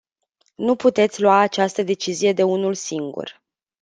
Nu puteți lua această decizie de unul singur.